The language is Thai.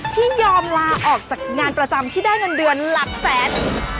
ที่ยอมลาออกจากงานประจำที่ได้เงินเดือนหลักแสน